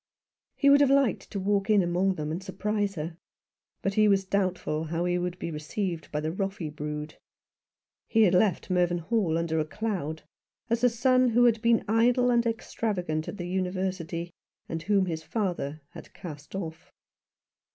He would have liked to walk in among them and surprise her ; but he was doubtful how he would be received by the Roffey brood. He had left Mervynhall under a cloud, as a son who had been idle and extravagant at the University, and whom his father had cast off.